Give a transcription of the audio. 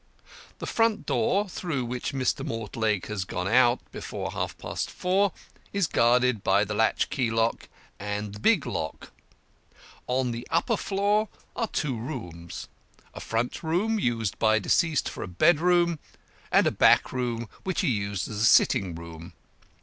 The front door, through which Mr. Mortlake has gone out before half past four, is guarded by the latch key lock and the big lock. On the upper floor are two rooms a front room used by deceased for a bedroom, and a back room which he used as a sitting room.